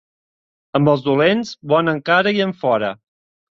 Amb els dolents, bona cara i enfora.